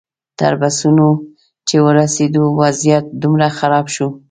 تر بسونو چې ورسېدو وضعیت دومره خراب شو.